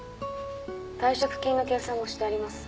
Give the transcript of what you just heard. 退職金の計算もしてあります。